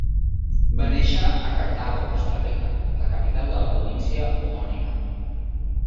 Va néixer a Cartago, Costa Rica, la capital de la província homònima.